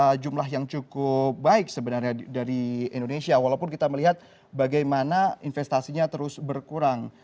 ada jumlah yang cukup baik sebenarnya dari indonesia walaupun kita melihat bagaimana investasinya terus berkurang